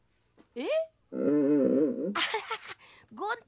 えっ？